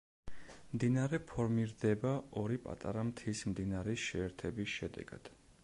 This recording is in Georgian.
მდინარე ფორმირდება ორი პატარა მთის მდინარის შეერთების შედეგად.